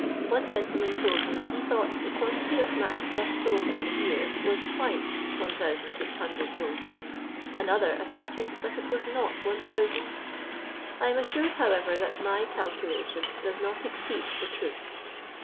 One gentleman told me he thought the quantity of " mac" thus sold in the year was twice 1600 loads ; another asserted that it was not 1000. I am assured, however, that my calculation does not exceed the truth.